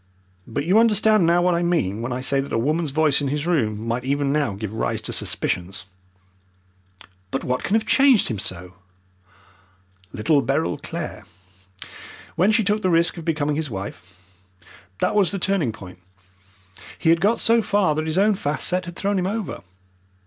But you understand now what I mean when I say that a woman's voice in his room might even now give rise to suspicions." "But what can have changed him so?" "Little Beryl Clare, when she took the risk of becoming his wife. That was the turning point. He had got so far that his own fast set had thrown him over.